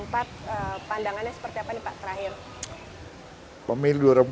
pandangannya seperti apa nih pak terakhir